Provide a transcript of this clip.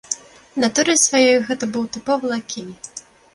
Натурай сваёй гэта быў тыповы лакей.